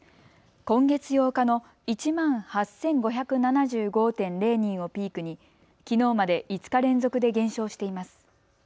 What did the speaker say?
今月８日の１万８５７５．０人をピークにきのうまで５日連続で減少しています。